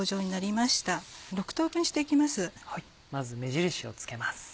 まず目印をつけます。